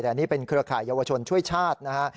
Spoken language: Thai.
แต่นี่เป็นเครือข่ายเยาวชนช่วยชาตินะฮะ